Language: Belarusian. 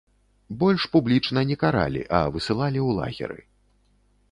Больш публічна не каралі, а высылалі ў лагеры.